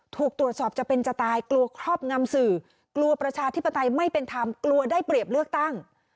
ถูกตรวจสอบจะเป็นจะตายกลัวครอบงำสื่อกลัวประชาธิปไตยไม่เป็นธรรมกลัวได้เปรียบเลือกตั้ง